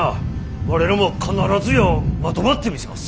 我らも必ずやまとまってみせもす。